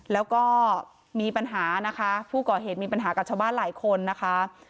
แล้วก็มีปัญหานะคะผู้ก่อเหตุมีปัญหากับชาวบ้านหลายคนนะคะ